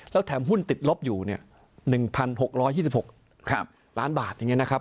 แล้วแถมหุ้นติดลบอยู่เนี่ย๑๖๒๖ล้านบาทอย่างนี้นะครับ